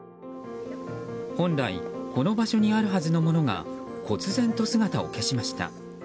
本来この場所にあるはずのものがこつ然と姿を消しました。